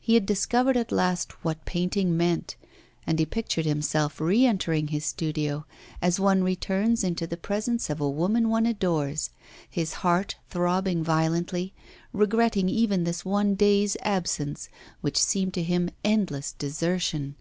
He had discovered at last what painting meant, and he pictured himself re entering his studio as one returns into the presence of a woman one adores, his heart throbbing violently, regretting even this one day's absence, which seemed to him endless desertion.